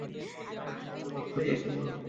একবার, চাদরটা সরিয়ে, আমাকে দেখে তো নাও।